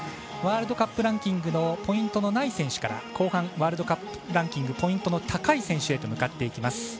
ワールドカップランキングのポイントのない選手から後半、ワールドカップランキングポイントの高い選手へと向かっていきます。